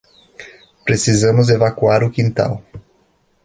Precisamos evacuar o quintal.